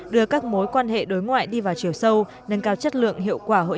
đưa các mối quan hệ đối ngoại đi vào chiều sâu